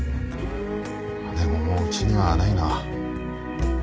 でももううちにはないな。